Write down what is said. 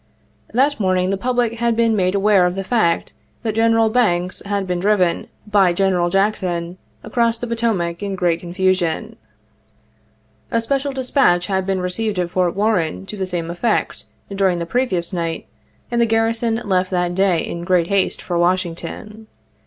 That morning the public had been made aware of the fact that General Banks had been driven by General Jackson across the Potomac in great confusion. A 86 special dispatch had been received at Fort Warren to the same effect, during the previous night, and the garrison left that day in great haste for Washington.